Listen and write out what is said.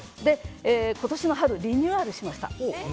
今年の春リニューアルしました。